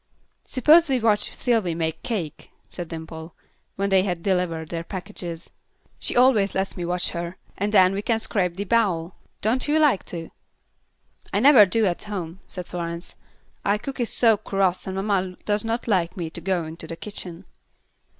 "Suppose we watch Sylvy make cake," said Dimple, when they had delivered their packages. "She always lets me watch her. And then we can scrape the bowl. Don't you like to?" "I never do at home," said Florence. "Our cook is so cross and mamma does not like me to go into the kitchen."